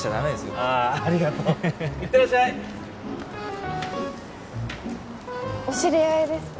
ありがとう行ってらっしゃいお知り合いですか？